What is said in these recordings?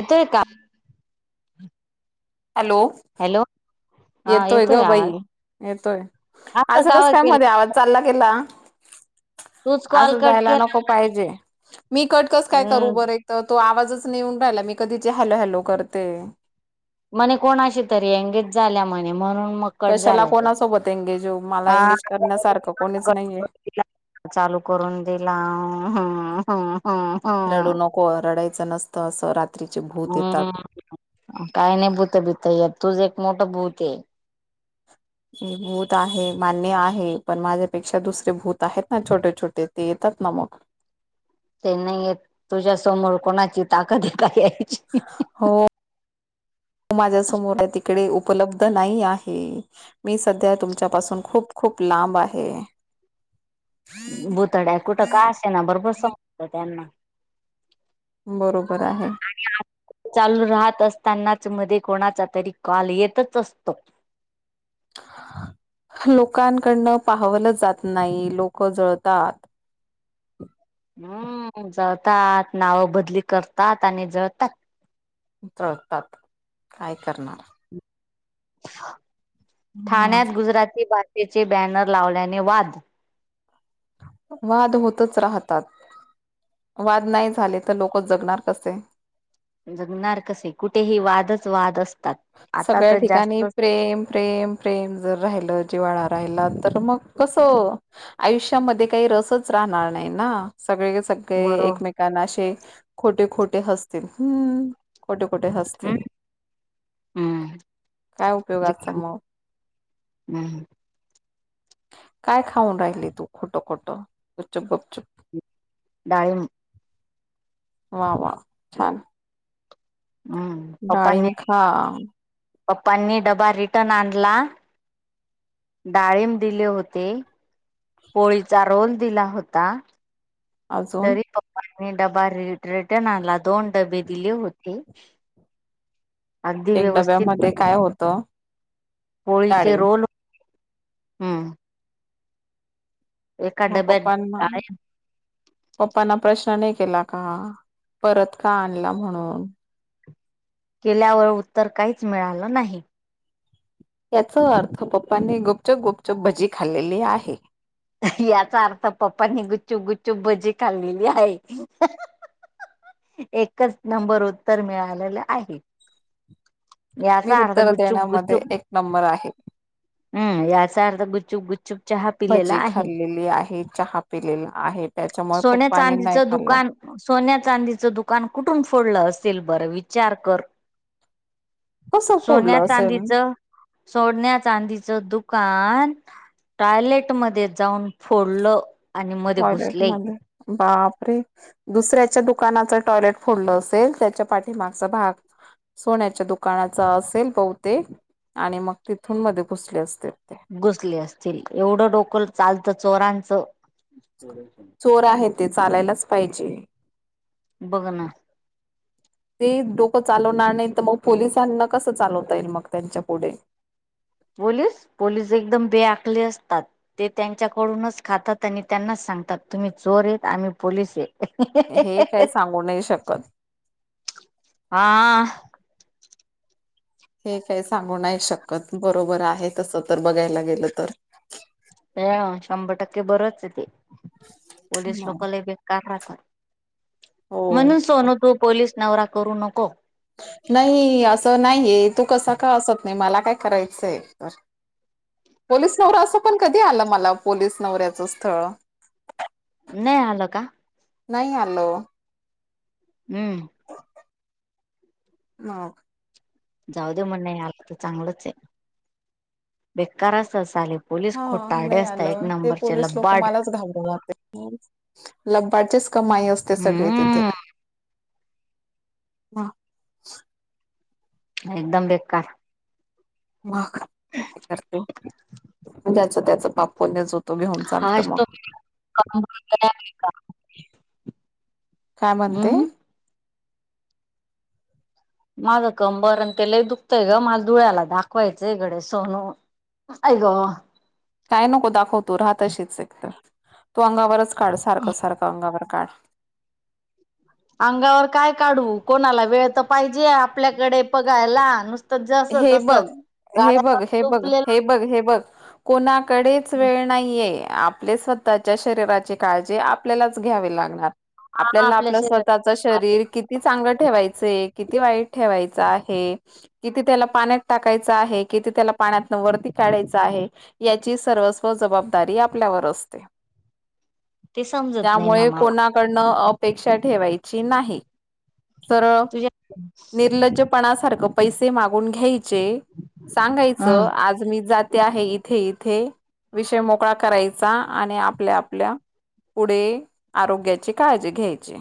येतोय का? Hello hello हा येतोय ग बाई आवाज येतोय असं आं कस काव काय केलं मध्ये आवाज चालला गेला तूच कॉल असं कट जायला केला नको पाहिजे मी कटकस काय करू हम् बरं एक तर तो आवाजच नेऊन राहिला मी कधीची हॅलो हॅलो करते म्हणे कोणाशी तरी एंगेज झाल्या म्हणे म्हणून मग कट कशाला झालं ते कोणासोबत एंगेज होऊ मला हा एंगेज करण्यासारखं कोणीच नाहीये. चालू करून दिला ह्म ह्म- रडू नको रडायचं नसतं असं रात हम्म काही नाही भूत भित तूझ एक मोठं भूत आहे भूत आहे मान्य आहे पण माझ्यापेक्षा दुसरे भूत आहेत ना छोटे छोटे ते येतात ना मग ते नाहीयेत तुझ्यासमोर कोणाची ताकद आहे का येयची हो. माझ्या समोर आहे तिकडे उपलब्ध नाही आहे मी सध्या तुमच्यापासून खूप खूप लांब आहे भुतड्या कुठं काय असे ना बरोबर समजतंय त्यांना बरोबर आहे. आणि आज चालू राहत असतानाच मध्ये कोणाचा तरी कॉल येतच असतो लोकांकडनं पाहावलं जात नाही लोक जळतात. हम्म जळतात नाव बदली करतात आणि जळतात जळतात काय करणार? ठाण्यात गुजराती भाषेचे बॅनर लावल्याने वाद वाद होतच राहतात वाद नाही झाले तर लोक जगणार कसे जगणार कसे कुठेही वादच वाद असतात. आता सगळ्या तर ठिकाणी जास्तच प्रेम प्रेम प्रेम जर राहिलं जिवाळा राहिला तर मग कसं? आयुष्यामध्ये काही रसच राहणार नाही ना सगळे सग बरो एकमेकांना असे खोटे खोटे हसतील हम्म खोटे खोटे हम् हसतील. हम्म. काय उपयोगाचा म हम् काय खाऊन राहिली तू खोटं खोटं गपचूप गपचूप डाळीब वा वा छान. हम्म पप्पांनी डाळीम खा पप्पांनी डबा रिटर्न आणला डाळीब दिले होते पोळीचा रोल दिला होता अजून तरी पप्पनी डबा र रीटन आनला दोन डबे दिले होते अगदी एक व्यवस्थित डब्यामध्ये पाय काय होतं? पोळीचे डाळीम रोल हम्म एका म डब्यात पप्पा नां डाळी पप्पना प्रश्न नाही केला का परत का आणला म्हणून केल्यावर उत्तर काहीच मिळालं नाही. याचा अर्थ पप्पानी गुपचूप गुपचूप भजी खाल्लेली आहे याचा अर्थ पप्पांनी गुपचूप गुपचूप भजी खाल्लेली आहे. हा हा हा. एकच नंबर उत्तर मिळालेलं आहे मी याचा‌ आर्थ उत्तर गुपचूप देण्यामध्ये गुपचूप एक नंबर आहे. हम्म याचा अर्थ गुपचुप गुपचुप चहा पिलेला भजी आहे. खाल्लेली आहे चहा पिलेला आहे त्याच्यामुळे सोन्या पप्पाणी नाही चांदीचं खाल्ला. दुकान सोन्या चांदीचं दुकान कुठून फोडलं असेल बरं विचार कर? कसं सोन्या फोडलं असेल चांदीचं सोन्या चांदीचं दुकान टॉयलेट मध्ये जाऊन फोडलं. आणि मध्ये टॉयलेट घुसले. मध्ये बापरे दुसऱ्याच्या दुकानाच टॉयलेट फोडलं असेल, त्याच्या पाठीमागचा भाग सोन्याच्या दुकानाचा असेल बहुतेक आणि मग तिथून मध्ये घुसले असतील ते. घुसले असतील एवढं डोक चालतं चोरांचं. चोर आहे ते चालायलाच पाहिजे. बघ ना. [inaudible] ते डोकं चालवणार नाही, तर मग पोलिसांना कसं चालवता येईल मग त्यांच्या पुढे. पोलीस पोलीस एकदम बेअक्कली असतात. ते त्यांच्याकडूनच खातात आणि त्यांनाच सांगतात तुम्ही चोर आहेत आम्ही पोलीस आहे. हे हे हे हे, काय सांगू नाही शकत. हा. हे काय सांगू नाही शकत बरोबर आहे तसं तर बघायला गेलं तर. [unintelligible] शंभर टक्के बरच आहे ते पोलीस मग. लोक लई बेकार राहतात. हो. म्हणून सोनू तू पोलीस नवरा करू नको. नाही असं नाहीये तू कसं का असत नाही मला काय करायचंय तर. पोलीस नवरा असं पण कधी आलं मला पोलीस नवऱ्याचं स्थळ? नाही आल का? नाही आलो. हम्म. मग जाऊ दे म्हण नाही आल तर चांगलंच आहे. बेकार अस साले पोलीस हा खोटारडे नाही असतात एक आलं. ते नंबरचे पोलीस लोक लबाड मलाच घाबरवतात [unintelligible] चीच कमाई असते सगळी तिथे. हम्म हा. एकदम बेकार. मग करते की ज्याच त्याच पाप पुण्यच [unintelligible] काय म्हणते? हम्म माझं कंबर आणि त्यालाही दुखतंय ग मला धुळ्याला दाखवायचं इकडे सोनू आई ग. काय नको दाखव तू रहा तशीच एक तर. तू अंगावरच काढ सारखं सारखं अंगावर काढ. अंगावर काय काढू कोणाला वेळ तर पाहिजे आपल्याकडे बघायला नुस हे बघ हे बघ हे बघ झोपलेला हे बघ हे बघ. कोणाकडेच वेळ नाहीे आहे आपले स्वतःच्या शरीराची काळजी आपल्यालाच घ्यावी लागणार. हा आपल्याला आपल्या आपलं स्वतःच शरीरात शरीर कित किती चांगल ठेवायचं हाय, किती वाईट ठेवायचं आहे. किती त्याला पाण्यात टाकायचं आहे, किती त्याला पाण्यातनं वरती काढायचं आहे. याची सर्वस्व जबाबदारी आपल्यावर असते ते समजत नाही ना त्यामुळे मला कोणाकडनं अपेक्षा ठेवायची नाही. सरळ तुझ्या निर्लज्जपणासारखे पैसे मागून घ्यायचे. सांगायचं हम्म आज मी जाते आहे इ इथे इथे विषय मोकळा करायचा आणि आपल्या आपल्या पुढे आरोग्याची काळजी घ्यायची.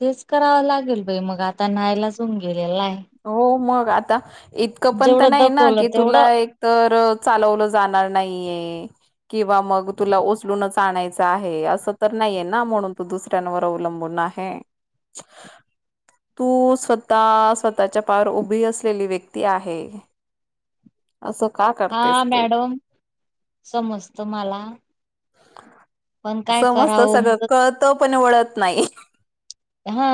तेच करावं लागेल बाई मग आता नाईलाज होऊन गेलेला आहे. हो मग आता इतकं पण तर जेवढं नाही ना दखवलं की तेवढं तुला एक तर चालवलं जाणार नाहीये. की बा मग तुला उचलूनच आणायचं आहे असं तर नाहीये ना म्हणून तू दुसर तनअवलंबून आहे तू स्वत स्वतः- तःच्या पार उभी असलेली व्यक्ती आहे. असं का का. हा मॅडम समजत मला. पण काय समजत करावं सगळं कळतं पण ओळत नाही. हा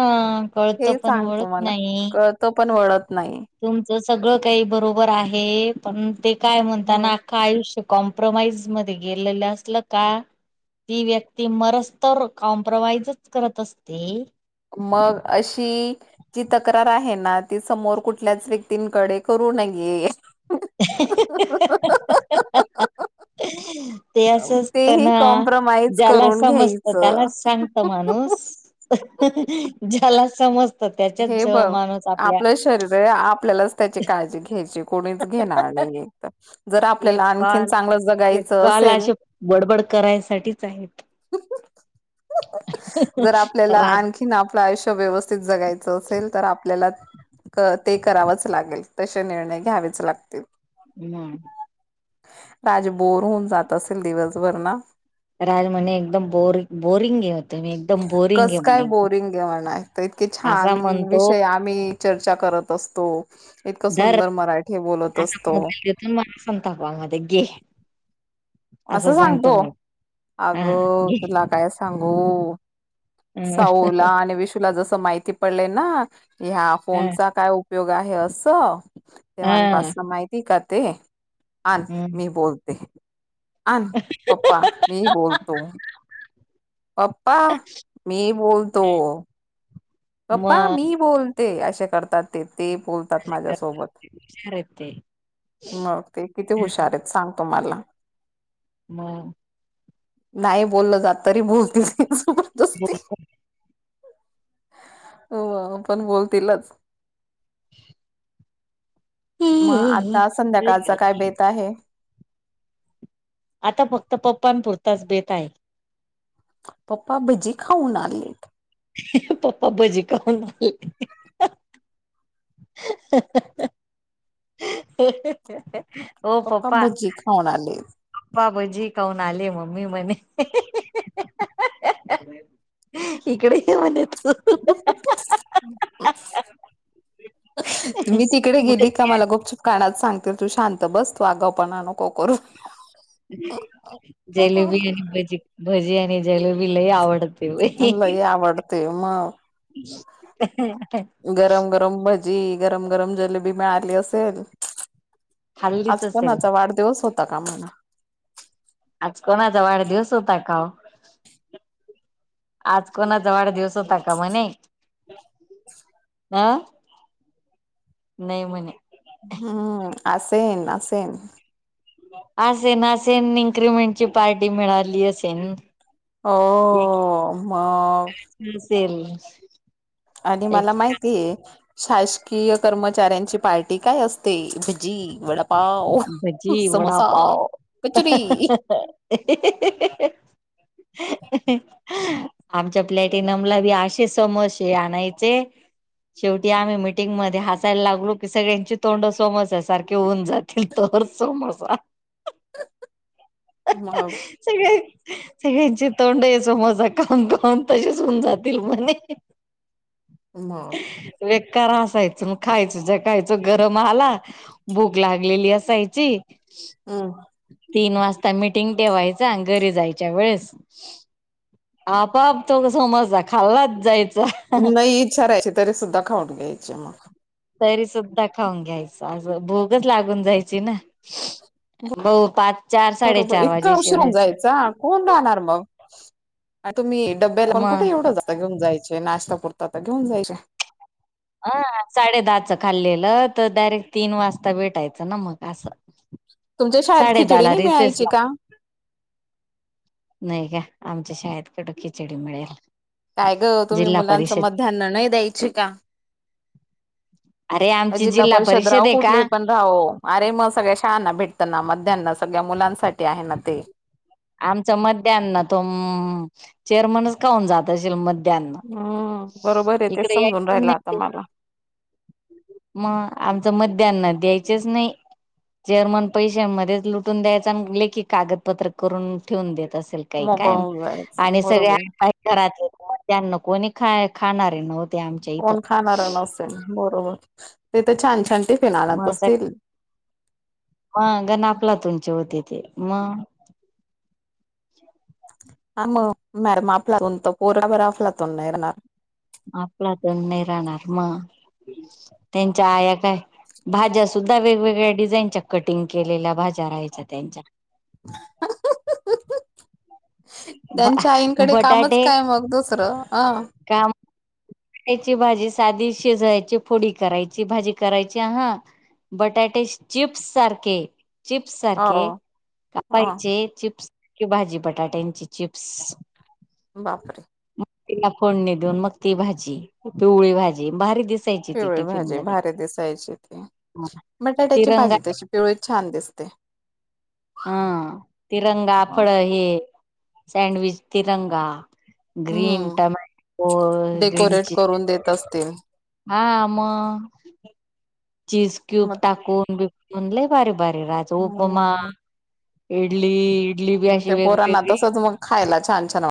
कळतो पण ओळत नाही. तो पण वळत नाही. तुमच सगळं काही बरोबर आहे पण ते काय म्हणत मग ना. आयुष्य कॉम्प्रोमाइज मध्ये गेलेलं असलं का. ती व्यक्ती मरस तर कॉम्प्रोमाइजच करत असते. मग अशी. जी तक्रार आहे ना ती समोर कुठल्याच व्यक्तींकडे करू नये. अ हं हं हं हं हं हं हं हं हं. ते असंचत तेही ना कॉम्प्रमाइज ज्याला करून समजत घ्यायचं त्यालाच सांगत माणूस. ज्याला समज हे बघ आपलं शरीर आहे आपल्यालाच त्याची काळजी घ्यायची. कोणीच घेणार नाही जर आपल्याला एक आणखी कॉल चांगलं एक जगायचं कॉल असेल. असे बडबड करायसाठीच आहेत. जर आपल्याला रात आणखीन आपलं आयुष्य व्यवस्थित जगाय च असेल तर आपल्याला. क ते करावंच लागेल तशे निर्णय घ्यावेच लागतील. हम्म. राज बोर होऊन जात असेल दिवसभर ना. राज म्हणे एकदम बोरिंग बोरिंग हे होते मी एकदम बोरिंग हे म्हणे एकदम. आला इतके छान असा म्हणतो विषय आम्ही चर्चा करत असतो. इतकं सुंदर मराठी बोलत असतो. त मला सताप मध्ये घे. असं सांगतो हा अगं घे तुला काय सांगू. ह साऊ ला आणि विषूला जस माहिती पडले ना ह्या ह फोनचा काय उप- योग आहे असं ह तेवांपासन माहिती का ते. आण हम्म. मी बोलते आण पप्पा मी बोलतो. पप्पा मी बोलतो. मग पप्पा मी बोलते अशे करतात ते ते बोलतात माझ्यासोबत. हुशार आहेत ते मग ते किती हुशार आहेत सांगतो मला. म. नाही बोललं जात तरी बोलतेस. [unintelligible] बिकुल. हो पण बोलतीलच. [inaudible] मग हं, हं. आता संध्याकाळच काय बेत आहे. आता फक्त पप्पां पुुरताच बेत आहे. पप्पा भजी खाऊन आलेत. पप्पा भज्जी खाऊन आले. हं हं हं हं हं हं हं हं. प्पा भजी खान आले. पा बजी काऊन आले मम्मी म्हणे हं हं हं हं हं. इकडे ये म्हणेत. हं हं हं हं. मी तिकडे तू. गेली का मला खूपप कानात सांगते तू शांत बस तू आगाव पण आणो. को करू जलेबी आणि [unintelligible] भजी भजी आणि जलेबी लय आवड लय आवडते म? [unintelligible] गरम गरम भजी, गरम गरम जलेबी मिळाली असेल. खाल्लीच आज असेल कोणाचा वाढदिवस होता का म्हण आज कोणाचा वाढदिवस होता का ओ? आज कोणाचा वाढ दिवस होता का म्हणे. हा. नाही म्हणे. हम्म असेन असेन. असेन असेन इनक्रीमेंटची पार्टी मिळाली असेन. हो म स स सेम आणि मला माहिती आहे. शासकीय कर्मचाऱ्यांची पार्टी काय असते भजी वडा भजी वडापाव [unintelligible] कचोरी [unintelligible] आमच्या प्लॅटिनमला बी असे समोसे आणायचे. शेवटी आम्ही मीटिंगमध्ये हासाय लागलो की सगळ्यांची तोंड सामोस्या सारखे होऊन जात तोर समोसा [unintelligible] मग सगळे सगळ्यांची तोंड ये समोसा खाऊन खाऊन तसेच होऊन जातील म्हणे. मग बेकार हसायचो मग खायच ज्या खायच गरम आला भूक लाग गलेली असायची. हम्म तीन वाजता मिटिंग ठेवायच अन घरी जायच्या वेळेस आपाआप तो समोसा खाल्लाच जायचा. नबाई विचारायची तरीसुद्धा खाऊन घ्यायचे मग. तरी सुुद्धा खाऊन घ्यायच असं भूकच लागून जायची ना बऊ पाच चार बरोबर साडेचार इतकां वाजेशी उशीर होऊन व्हायचं जायचा? कोण राहणार म आणि तुम्ही डब्बे लाऊन मग कुठे एवढं जा चे घेऊन जायचे नाश्ता पुरता तर घेऊन जायचे हा साडे दहाच खाल्लेलं तर डायरेक्ट तीन वाजता भेटायचं ना म असं तुमच्या शाळेत साडे खिचडी दहाला नाही रिसेस मिळायची ला का? नाही का आमच्या शाळेत कुठं खिचडी मिळेल. काय ग तुम्ही जिल्हा मुलांनच परिषद मतधान्य नाही द्यायचे का? अरे आमची जिल्हा परिषद राव आहे का कुठले पण रा अरे मग सगळ्या शाळांना भेटतं ना मतधान्य सगळ्या मुलांसाठी आहे ना ते आमचा मध्याना तो चेअरमनच खाऊन जात असेल मत हम्म बरोबर आहे तेच समजून यायचंच राहिला नाही आता ते मला. मग आमच मध्यान्ह द्यायचेच नाही जर्मन पैशांमध्येच लुटून द्यायच आणि लेखी कागदपत्र करून ठेवून देत असेल. काही मोकळ काय होऊन जायचं आणि सगळे बरोबर. घरात त्यांना कोणी खा खाणारे नव्ह कोण खाणारा नसेन ना बरोबर तथे छान छान टीप म सग मग गण आपला तुंचे होते ते मग हा मग मॅडम आपला तून त पोराबराफला तून नाही येणार. आपलातून नाही राहणार मग त्यांच्या आया काय भाज्या सुद्धा वेगवेगळ्या डिझाईनच्या कटिंग केलेल्या भाज्या राहायच्या त्यांच्या. [unintelligible] त्यांच्या आईंकडे कामच बटाटे काय मग दुसरं अं. काम. खायची भाजी, साधी शिजायची, फोडी करायची, भाजी करायची हा. बटाटे चिप्स सारखे चिप्स हो सारखे हो कापायचे, चिप्स सारखी भाजी बटाट्या ती चिप्स बापरे. मग तिला फोडणी देऊन मग ती भाजी पिवळी भाजी भारी दिस पिवळी भाजी भारी दिसायची त्या, बटाट्याची तिरंगा भाजी तशी पिवळी छान दिसते. हा तिरंगा फळ हे सँडविच तिरंगा. Green hmm tomato, green decorate chili. करून देत असते मी. हा मग. चीज क्यूब मग टाकून बिकून लई भारी भारी राहायच उपमा इडली. इडली बी मग अशी ते पोरांना वेगवेगळी तसंच मग खायला छान छान वा